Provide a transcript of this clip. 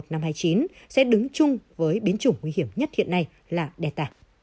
năm hai mươi chín sẽ đứng chung với biến chủng nguy hiểm nhất hiện nay là delta